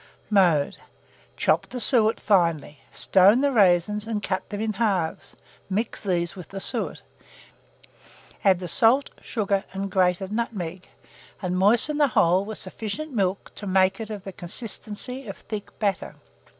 Mode. Chop the suet finely; stone the raisins and cut them in halves; mix these with the suet, add the salt, sugar, and grated nutmeg, and moisten the whole with sufficient milk to make it of the consistency of thick batter.